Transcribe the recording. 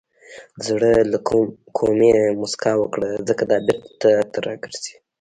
• د زړه له کومې موسکا وکړه، ځکه دا بېرته تا ته راګرځي.